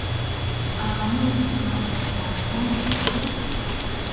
Amis namu ka yamu hug?